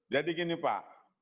jadi gini pak